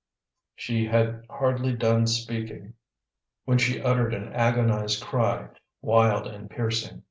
She had hardly done speaking when she uttered an agonized cry, wild and piercing.